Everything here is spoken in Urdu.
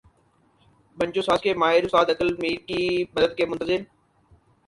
بنجو ساز کے ماہر استاد عقل میر کی مدد کے منتظر